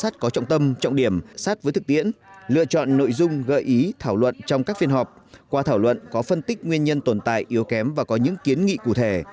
chọn nội dung gợi ý thảo luận trong các phiên họp qua thảo luận có phân tích nguyên nhân tồn tại yếu kém và có những kiến nghị cụ thể